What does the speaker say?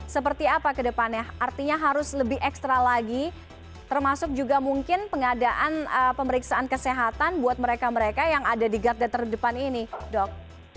seperti apa ke depannya artinya harus lebih ekstra lagi termasuk juga mungkin pengadaan pemeriksaan kesehatan buat mereka mereka yang ada di garda terdepan ini dok